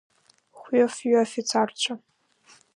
Хәҩы-фҩы афицарцәа.